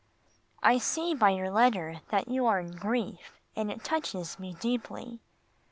I see by your letter that you are in great grief, and it touches me deeply.